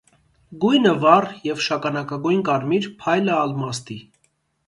Գույնը՝ վառ և շագանակագույն կարմիր, փայլը՝ ալմաստի։